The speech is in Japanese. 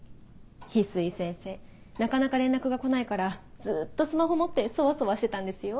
翡翠先生なかなか連絡が来ないからずっとスマホ持ってソワソワしてたんですよ。